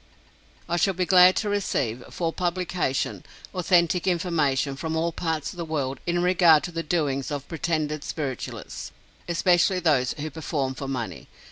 I shall be glad to receive, for publication, authentic information, from all parts of the world in regard to the doings of pretended spiritualists, especially those who perform for money.